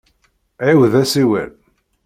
Ɛiwed asiwel.